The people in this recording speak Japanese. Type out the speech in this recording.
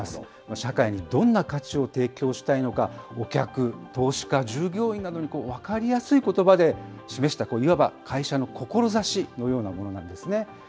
社会にどんな価値を提供したいのか、お客、投資家、従業員などに分かりやすいことばで示したいわば会社の志のようなものなんですね。